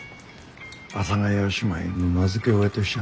阿佐ヶ谷姉妹の名付け親としちゃ